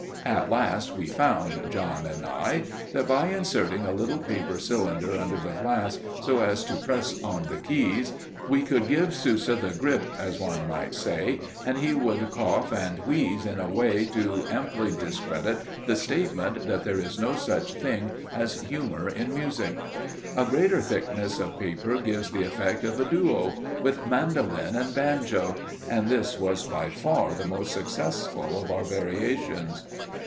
At last we found, John and I, that by inserting a little paper cylinder under the glass, so as to press on the keys, we could give Sousa the grip, as one might say, and he would cough and wheeze in a way to amply discredit the statement that there is no such thing as humour in music. A greater thickness of paper gives the effect of a duo with mandolin and banjo, and this was by far the most successful of our variations.